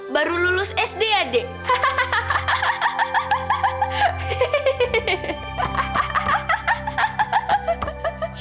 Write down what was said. baru lulus sd ya deh